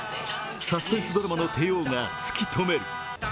サスペンスドラマの帝王が突き止める。